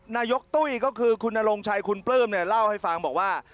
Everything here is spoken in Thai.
นายกตุ้ยก็คือคุณนรงชัยคุณปลื้มเนี่ยเล่าให้ฟังบอกว่า